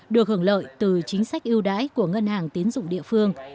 được hưởng lợi từ chính sách ưu đãi của ngân hàng tiến dụng địa phương